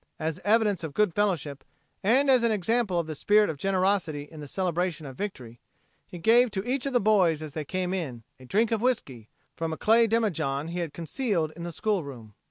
As evidence of goodfellowship and as an example of the spirit of generosity in the celebration of victory, he gave to each of the boys as they came in, a drink of whisky, from a clay demijohn he had concealed in the schoolroom.